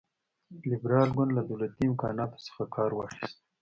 لېبرال ګوند له دولتي امکاناتو څخه کار واخیست.